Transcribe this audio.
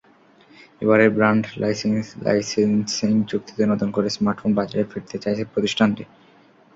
এবারে brand licensing চুক্তিতে নতুন করে স্মার্টফোন বাজারে ফিরতে চাইছে প্রতিষ্ঠানটি।